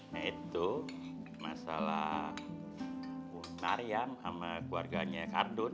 nah itu masalah bu naryang sama keluarganya kak ardun